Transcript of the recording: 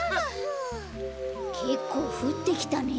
けっこうふってきたね。